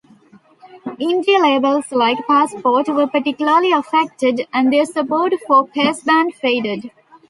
Indie labels like Passport were particularly affected, and their support for Pezband faded.